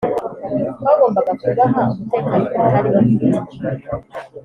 Twagombaga kubaha umutekano batari bafite